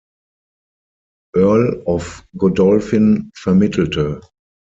Earl of Godolphin, vermittelte.